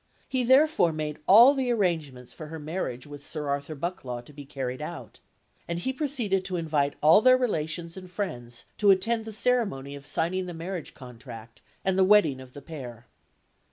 He therefore made all the arrangements for her marriage with Sir Arthur Bucklaw to be carried out; and he proceeded to invite all their relations and friends to attend the ceremony of signing the marriage contract and the wedding of the pair.